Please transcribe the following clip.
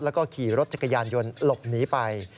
แล้วก็ขี่รถจักรยานยนต์หลบหนีไป